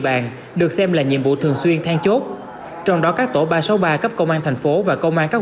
bàn được xem là nhiệm vụ thường xuyên than chốt trong đó các tổ ba trăm sáu mươi ba cấp công an tp và công an các